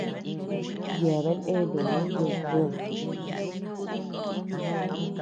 Yeabean eanu yudu tïd.